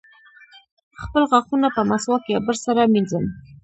خپل غاښونه په مسواک یا برس سره مینځم.